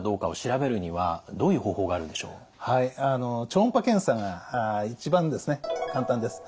超音波検査が一番簡単です。